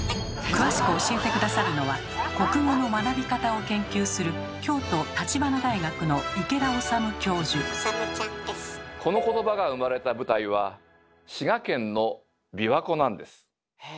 詳しく教えて下さるのは国語の学び方を研究するこの言葉が生まれた舞台は滋賀県の琵琶湖なんです。